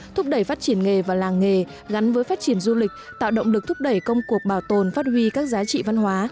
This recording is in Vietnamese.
thúc đẩy phát triển nghề và làng nghề gắn với phát triển du lịch tạo động lực thúc đẩy công cuộc bảo tồn phát huy các giá trị văn hóa